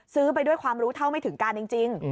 ไปด้วยความรู้เท่าไม่ถึงการจริง